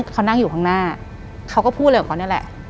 เขานั่งอยู่ข้างหน้าเขาก็พูดอะไรกับเขานี่แหละ